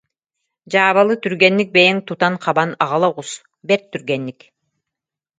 Дьаабалы түргэнник бэйэҥ тутан-хабан аҕала оҕус, бэрт түргэнник